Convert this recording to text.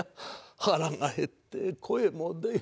腹が減って声も出ん。